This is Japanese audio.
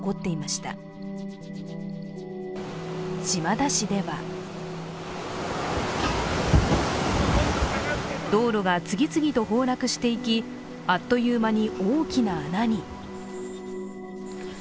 島田市では島田市では道路が次々と崩落していきあっという間に大きな穴に。